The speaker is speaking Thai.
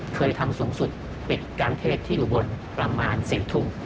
เคยทำสูงสุดปิดการเทศที่อุบลประมาณ๔ทุ่ม